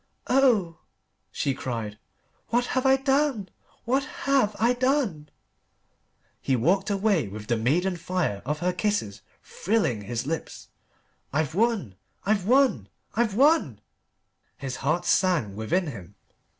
"Oh!" she cried. "What have I done? What have I done?" He walked away with the maiden fire of her kisses thrilling his lips. "I've won I've won I've won!" His heart sang within him.